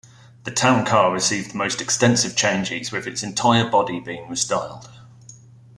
The Town Car received the most extensive changes with its entire body being restyled.